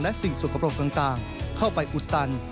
และสิ่งสุขปรกต่างเข้าไปอุดตัน